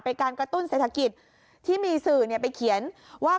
การกระตุ้นเศรษฐกิจที่มีสื่อไปเขียนว่า